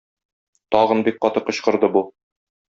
Тагын бик каты кычкырды бу.